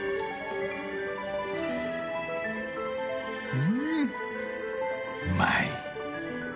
うんうまい！